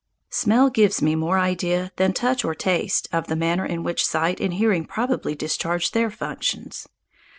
Smell gives me more idea than touch or taste of the manner in which sight and hearing probably discharge their functions.